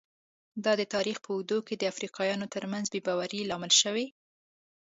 دا د تاریخ په اوږدو کې د افریقایانو ترمنځ بې باورۍ لامل شوي.